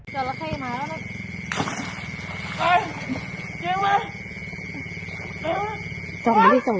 อย่าให้ไอน้ำเต้น